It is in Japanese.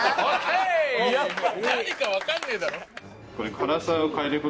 何かわかんねえだろ。